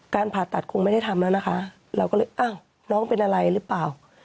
ผ่าตัดคงไม่ได้ทำแล้วนะคะเราก็เลยอ้าวน้องเป็นอะไรหรือเปล่า